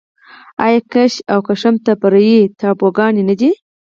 آیا کیش او قشم تفریحي ټاپوګان نه دي؟